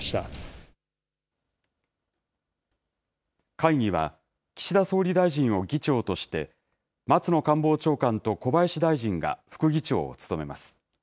会議は、岸田総理大臣を議長として、松野官房長官と小林大臣が副議長を務めます。